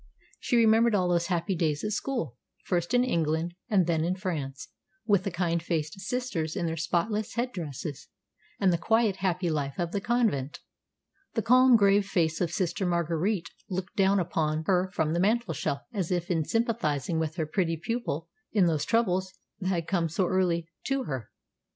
She remembered all those happy days at school, first in England, and then in France, with the kind faced Sisters in their spotless head dresses, and the quiet, happy life of the convent. The calm, grave face of Sister Marguerite looked down upon her from the mantelshelf as if sympathising with her pretty pupil in those troubles that had so early come to her.